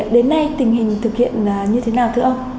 đến nay tình hình thực hiện như thế nào thưa ông